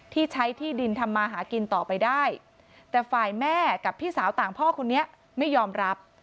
ที่ใช้ที่ดินทำมาหากินต่อไปได้แต่ฝ่ายแม่กับพี่สาวต่างพ่อคนนี้ไม่ยอมรับ